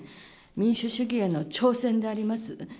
民主主義への挑戦であります。